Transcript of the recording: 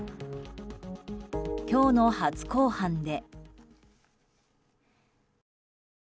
今日の初公判で。